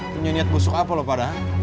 punya niat busuk apa lo padahal